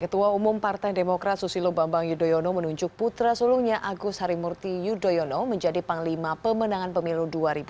ketua umum partai demokrat susilo bambang yudhoyono menunjuk putra sulungnya agus harimurti yudhoyono menjadi panglima pemenangan pemilu dua ribu dua puluh